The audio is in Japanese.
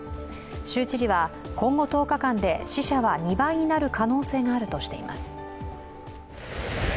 州知事は今後１０日間で死者は２倍になる可能性があるとしています。